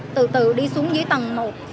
từ từ đi xuống dưới tầng một